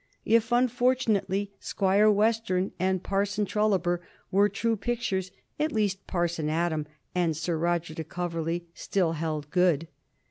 If, unfortunately, Squire Western and Parson Truliber were true pictures, at least Parson Adam and Sir Roger de Coverley still held good.